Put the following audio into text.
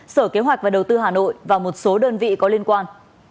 sở kế hoạch và đầu tư hà nội và một số đơn vị có liên quan